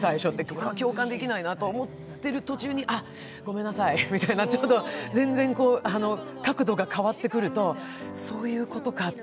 これは共感できないわと思って見てると、あっ、ごめんなさい、みたいな全然角度が変わってくると、そういうことかって。